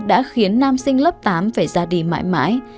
đã khiến nam sinh lớp tám phải ra đi mãi mãi